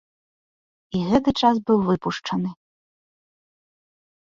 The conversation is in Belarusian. І гэты час быў выпушчаны.